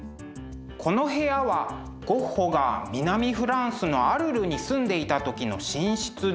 この部屋はゴッホが南フランスのアルルに住んでいた時の寝室です。